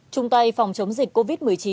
trung tay phòng chống dịch covid một mươi chín